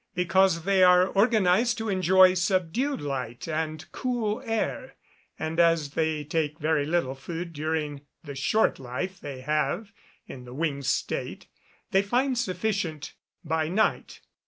_ Because they are organised to enjoy subdued light and cool air; and as they take very little food during the short life they have in the winged state, they find sufficient by night.